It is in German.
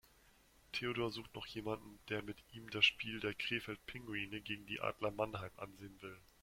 Theodor sucht noch jemanden, der mit ihm das Spiel der Krefeld Pinguine gegen die Adler Mannheim ansehen will.